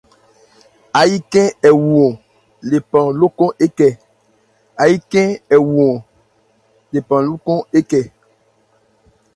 Áyí khɛ́n ɛ wu-ɔn lephan lókɔn ékɛ.